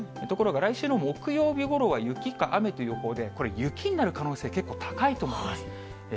ところが、来週の木曜日ごろは雪か雨という予報で、これ、雪になる可能性、結構高いと見ます。